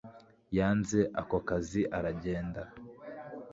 yanze ako kazi aragenda